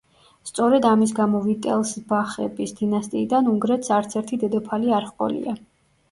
სწორედ ამის გამო ვიტელსბახების დინასტიიდან უნგრეთს არცერთი დედოფალი არ ჰყოლია.